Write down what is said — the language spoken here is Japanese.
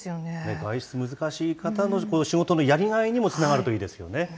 外出、難しい方の仕事のやりがいにもつながるといいですよね。